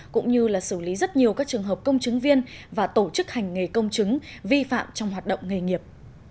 cũng như là xử lý rất nhiều các trường hợp công chứng viên và tổ chức hành nghề công chứng vi phạm trong hoạt động nghề nghiệp